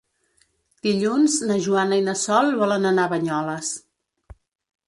Dilluns na Joana i na Sol volen anar a Banyoles.